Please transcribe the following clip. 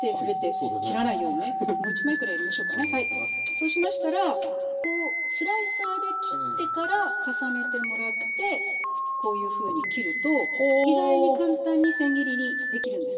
そうしましたらこうスライサーで切ってから重ねてもらってこういうふうに切ると意外に簡単にせん切りにできるんです。